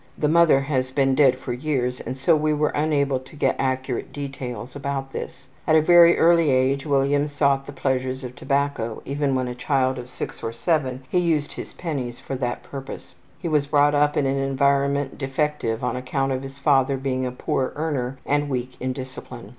The mother has been dead for years and so we were unable to get accurate details about this. At a very early age William sought the pleasures of tobacco, even when a child of 6 or 7 he used his pennies for that purpose. He was brought up in an environment defective on account of his father being a poor earner and weak in discipline.